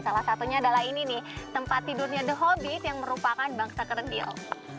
salah satunya adalah ini nih tempat tidurnya the hobbies yang merupakan bangsa kerdil